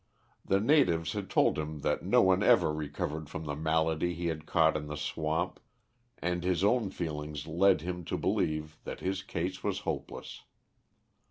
The natives had told him that no one ever recovered from the malady he had caught in the swamp, and his own feelings led him to believe that his case was hopeless.